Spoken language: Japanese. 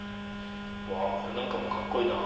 これなんかもカッコいいな。